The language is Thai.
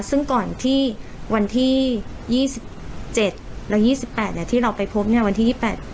ซึ่งก่อนที่วันที่ยี่สิบเจ็ดและยี่สิบแปดเนี่ยที่เราไปพบเนี่ยวันที่ยี่แปด